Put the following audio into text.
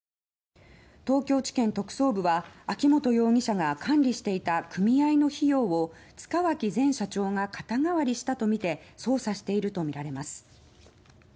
東京地検特捜部は秋本容疑者が管理していた組合の費用を塚脇前社長が肩代わりしたとみて捜査しているとみられます。